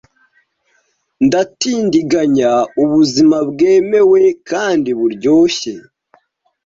ndatindiganya ubuzima bwemewe kandi buryoshye